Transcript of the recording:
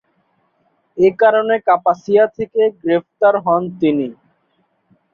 এ কারণে কাপাসিয়া থেকে গ্রেফতার হন তিনি।